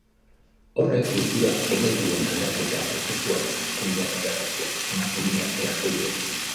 Horrek kultura-ereduen aldaketa-prozesuaren hazkundea ekarri zuen, emakumeei ate asko irekiz.